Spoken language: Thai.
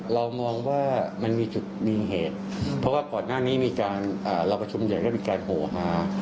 เรามองว่ามันมีจุดมีเหตุเพราะว่าก่อนหน้านี้มีการเราประชุมใหญ่ก็มีการโผล่มา